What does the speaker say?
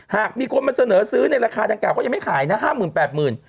หากมีคนมันเสนอซื้อในราคาดังกล่าวก็ยังไม่ขายนะ๕หมื่น๘หมื่น